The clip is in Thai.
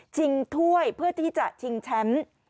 ถ้วยเพื่อที่จะชิงแชมป์